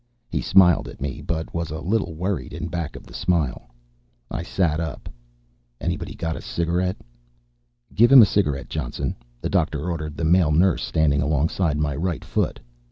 He smiled at me, but he was a little worried in back of the smile. I sat up. "Anybody got a cigarette?" "Give him a cigarette, Johnson," the doctor ordered the male nurse standing alongside my right foot.